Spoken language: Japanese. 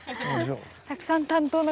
たくさん担当の方が。